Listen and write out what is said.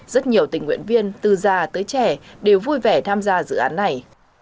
rất nhiều tình nguyện viên từ già tới trẻ đều vui vẻ tham gia dự án này